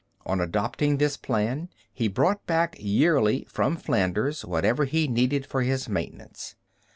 On adopting this plan, he brought back yearly from Flanders whatever he needed for his maintenance.